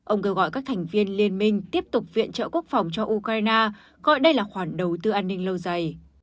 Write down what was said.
ông kêu gọi các thành viên liên minh tiếp tục viện trợ quốc phòng cho ukraine gọi đây là khoản đầu tư an ninh lâu dài